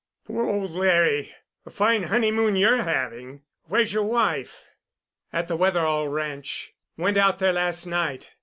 "Poor old Larry! a fine honeymoon you're having! Where's your wife?" "At the Wetherall Ranch. Went out there last night.